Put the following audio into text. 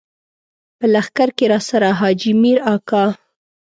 په لښکر کې راسره حاجي مير اکا.